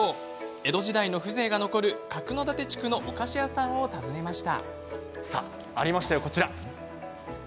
江戸時代の風情が残る角館地区のお菓子屋さんを訪ねました。